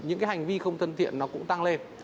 những cái hành vi không thân thiện nó cũng tăng lên